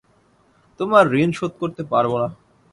তোমার ঋণ শোধ করতে পারব না।